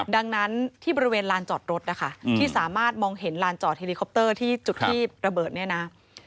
ดังนั้นที่บริเวณลานจอดรถนะคะที่สามารถมองเห็นลานจอดเฮลิคอปเตอร์ที่จุดที่ระเบิดเนี่ยนะ